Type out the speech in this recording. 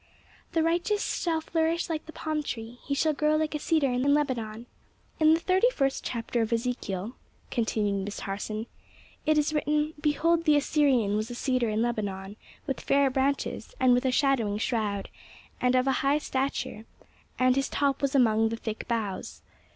"'The righteous shall flourish like the palm tree; he shall grow like a cedar in Lebanon.'" "In the thirty first chapter of Ezekiel," continued Miss Harson, "it is written, 'Behold, the Assyrian was a cedar in Lebanon with fair branches, and with a shadowing shroud, and of an high stature; and his top was among the thick boughs.